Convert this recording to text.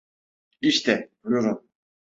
İşte, buyurun.